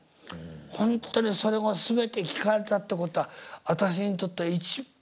本当にそれも全て聴かれたってことは私にとっては一番の財産。